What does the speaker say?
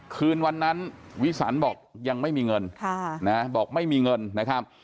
คืนวันนั้นวิสันบอกยังไม่มีเงินบอกไม่มีเงินนะครับ